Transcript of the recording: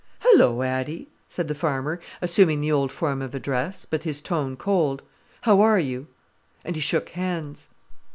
"Hello, Addy!" said the farmer, assuming the old form of address, but his tone cold. "How are you?" And he shook hands.